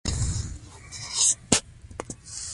د خلکو په ګڼه ګوڼه کې د مېږي په قدم وړاندې روان و.